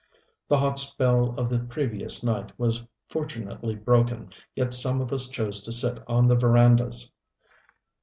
The hot spell of the previous night was fortunately broken, yet some of us chose to sit on the verandas.